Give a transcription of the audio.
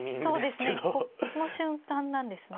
この瞬間なんですね。